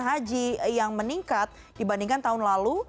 haji yang meningkat dibandingkan tahun lalu